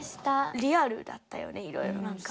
リアルだったよねいろいろ何か。